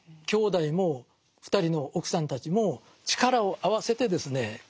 兄弟も２人の奥さんたちも力を合わせてですね